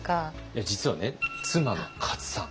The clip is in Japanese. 実はね妻のカツさん。